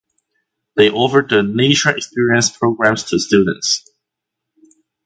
They offered the nature experience programs to students.